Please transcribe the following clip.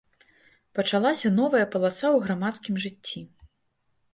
Пачалася новая паласа ў грамадскім жыцці.